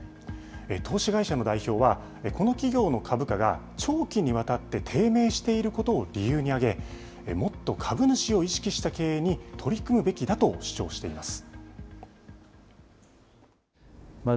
投資会社の代表は、この企業の株価が長期にわたって低迷していることを理由に挙げ、もっと株主を意識した経営に取り組むべきだと主張しています。